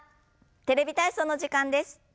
「テレビ体操」の時間です。